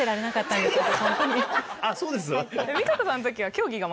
そうです？